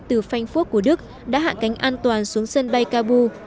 từ phanh phuốc của đức đã hạ cánh an toàn xuống sân bay kabu